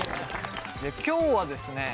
今日はですね